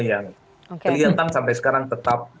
yang kelihatan sampai sekarang tetap